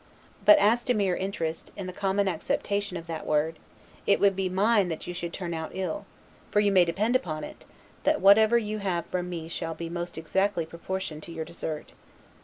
But as to mere interest, in the common acceptation of that word, it would be mine that you should turn out ill; for you may depend upon it, that whatever you have from me shall be most exactly proportioned to your desert.